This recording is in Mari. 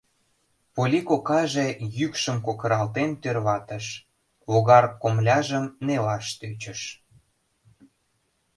Полли кокаже йӱкшым кокыралтен тӧрлатыш, логар комыляжым нелаш тӧчыш: